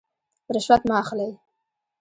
رشوت مه اخلئ